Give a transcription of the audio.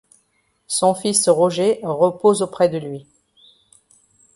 Son fils Roger repose auprès de lui.